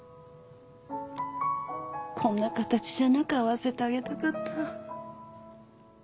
こんな形じゃなく会わせてあげたかった。